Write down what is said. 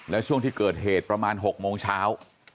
แล้วช่วงที่เกิดเหตุประมาณ๖โมงเช้า